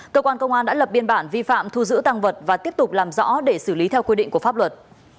cơ quan công an đã lập biên bản vi phạm thu giữ tăng vật và tiếp tục làm rõ để xử lý theo quy định của pháp luật